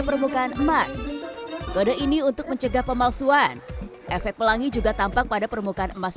permukaan emas kode ini untuk mencegah pemalsuan efek pelangi juga tampak pada permukaan emas